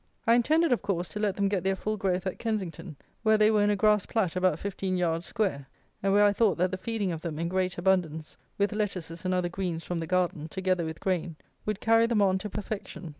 I intended of course, to let them get their full growth at Kensington, where they were in a grass plat about fifteen yards square, and where I thought that the feeding of them, in great abundance, with lettuces and other greens from the garden, together with grain, would carry them on to perfection.